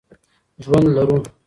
ژوند لرو.